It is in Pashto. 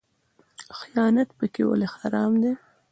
خیانت پکې ولې حرام دی؟